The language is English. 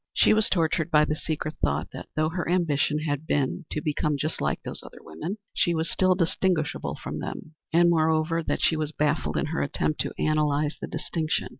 She was tortured by the secret thought that, though her ambition had been to become just like those other women, she was still distinguishable from them; and moreover, that she was baffled in her attempt to analyze the distinction.